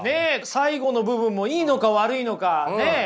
最後の部分もいいのか悪いのかねえ。